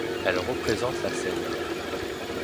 Elle reprèsente la Cène.